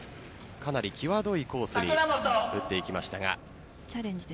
かなり際どいコースに打っていきましたが。